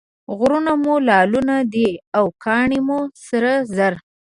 غرونه مو لعلونه دي او کاڼي مو سره زر.